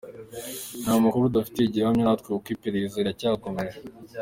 Ni amakuru tudafitiye gihamya natwe kuko iperereza riracyakomeje.